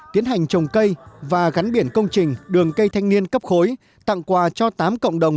tiến hành trồng cây và gắn biển công trình đường cây thanh niên cấp khối tặng quà cho tám cộng đồng